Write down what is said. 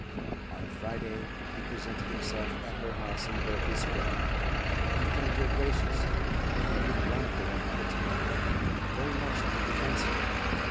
On Friday he presented himself at her house in Berkeley Square. He found her gracious, but ironical in attitude, very much on the defensive.